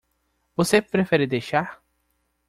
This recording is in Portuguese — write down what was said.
Você prefere deixar?